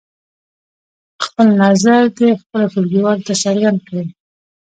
خپل نظر دې خپلو ټولګیوالو ته څرګند کړي.